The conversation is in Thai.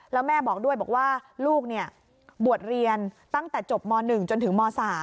แล้วแม่บอกด้วยบอกว่าลูกบวชเรียนตั้งแต่จบม๑จนถึงม๓